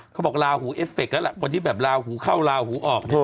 เขาบอกลาหูเอฟเฟคแล้วล่ะคนที่แบบลาหูเข้าลาหูออก